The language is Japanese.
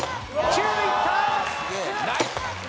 ９いった！